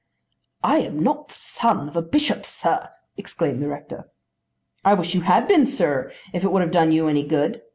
"I am not the son of a bishop, sir," exclaimed the rector. "I wish you had been, sir, if it would have done you any good.